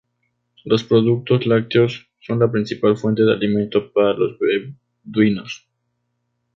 Los productos lácteos son la principal fuente de alimento para los beduinos.